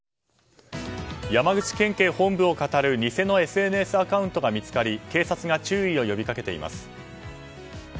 山口県警本部をかたる偽のＳＮＳアカウントが見つかり警察が注意を呼び掛けています。